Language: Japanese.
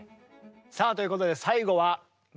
さあということで最後はまさピー。